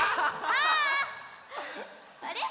あれ？